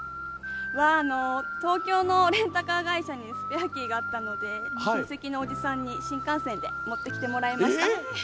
東京のレンタカー会社にスペアキーがあったので親戚のおじさんに新幹線で持ってきてもらいました。